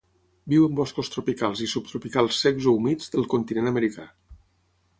Viu en boscos tropicals i subtropicals secs o humits del continent americà.